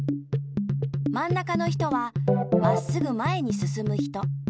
まん中の人はまっすぐ前にすすむ人。